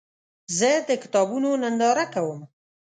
زه د کتابونو ننداره کوم.